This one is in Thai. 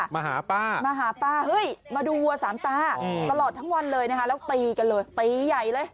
มาหาป้ามาหาป้าเฮ้ยมาดูวัวสามตาตลอดทั้งวันเลยนะคะแล้วตีกันเลยตีใหญ่เลย